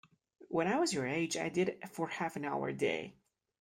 When I was your age, I did it for half-an-hour a day.